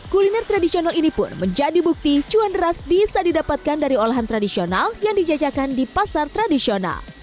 kuliner tradisional ini pun menjadi bukti cuan deras bisa didapatkan dari olahan tradisional yang dijajakan di pasar tradisional